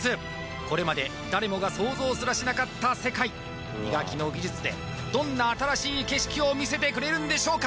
これまで誰もが想像すらしなかった世界磨きの技術でどんな新しい景色を見せてくれるんでしょうか？